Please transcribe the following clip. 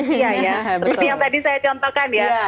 seperti yang tadi saya contohkan ya